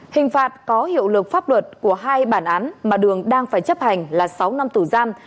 hình phạt có hiệu lực pháp luật của hai bản án mà đường đang phải chấp hành là sáu năm tù giam